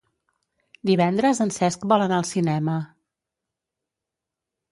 Divendres en Cesc vol anar al cinema.